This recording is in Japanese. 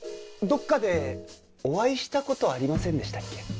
どこかでお会いした事ありませんでしたっけ？